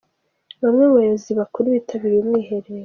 Bamwe mu bayobozi bakuru bitabiriye umwiherero